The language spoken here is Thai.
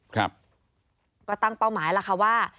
ครับก็ตั้งเป้าหมายล่ะค่ะว่า